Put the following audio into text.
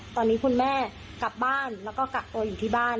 ตอนนี้คุณแม่กลับบ้านแล้วก็กักตัวอยู่ที่บ้าน